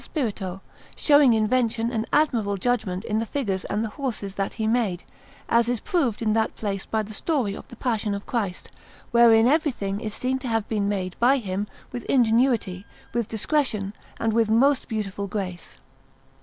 Spirito, showing invention and admirable judgment in the figures and the horses that he made, as is proved in that place by the story of the Passion of Christ, wherein everything is seen to have been made by him with ingenuity, with discretion, and with most beautiful grace.